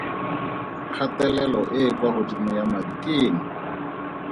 Kgatelelo e e kwa godimo ya madi ke eng?